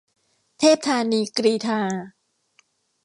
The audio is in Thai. เทพธานีกรีฑา